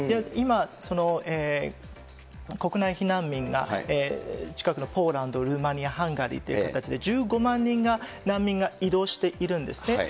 今、国内避難民が近くのポーランド、ルーマニア、ハンガリーという形で１５万人が、難民が移動しているんですね。